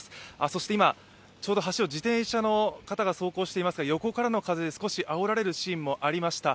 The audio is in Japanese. そして今ちょうど橋を自転車の方が走行していますが横からの風で少しあおられるシーンもありました。